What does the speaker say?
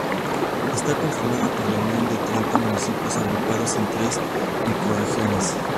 Está conformada por la unión de treinta municipios agrupados en tres microrregiones.